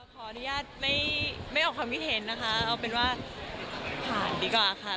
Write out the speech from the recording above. ขออนุญาตไม่ออกความคิดเห็นนะคะเอาเป็นว่าผ่านดีกว่าค่ะ